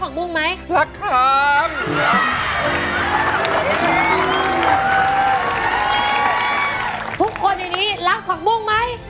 เอาละทุกคนรักผักบุ้ง